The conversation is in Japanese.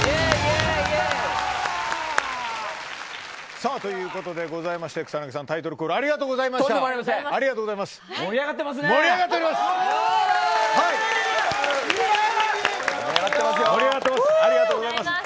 さあ、ということございまして草なぎさんタイトルコールありがとうございました。